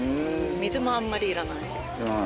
水もあんまりいらない。